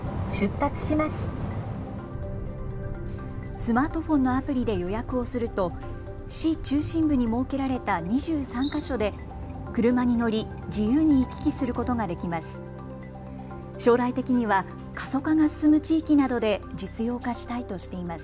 スマートフォンのアプリで予約をすると市中心部に設けられた２３か所で車に乗り自由に行き来することができます。